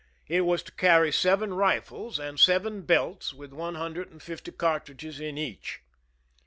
It was to carry seven rifles, and seven belts with one hundred and fifty car tridges in each.